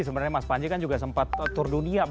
sebenarnya mas fadji kan juga sempat tur dunia